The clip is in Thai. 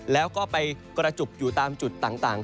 แล้วก็ไปกระจุกอยู่ตามจุดต่าง